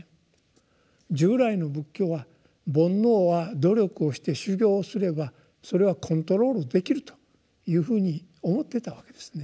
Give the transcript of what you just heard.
従来の仏教は「煩悩」は努力をして修行をすればそれはコントロールできるというふうに思っていたわけですね。